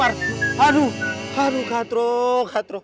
aduh aduh aduh kak trok kak trok